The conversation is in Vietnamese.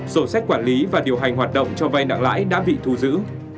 sổ sách quản lý và điều hành hoạt động cho vay nặng lãi đã bị thu giữ